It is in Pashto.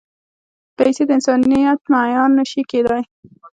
پېسې د انسانیت معیار نه شي کېدای.